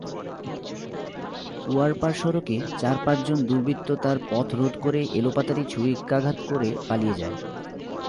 কুয়ারপাড় সড়কে চার-পাঁচজন দুর্বৃত্ত তাঁর পথরোধ করে এলাপাতাড়ি ছুরিকাঘাত করে পালিয়ে যায়।